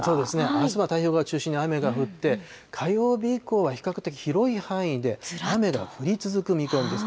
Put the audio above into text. あすは太平洋側を中心に雨が降って、火曜日以降は比較的広い範囲で雨が降り続く見込みです。